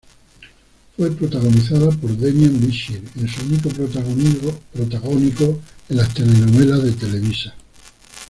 Fue protagonizada por Demián Bichir en su único protagónico en las telenovelas de Televisa.